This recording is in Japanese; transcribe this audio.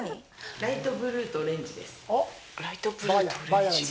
ライトブルーとオレンジ